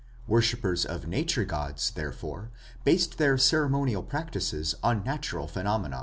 Worshippers of nature gods, therefore, based their ceremonial practices on natural phenomena.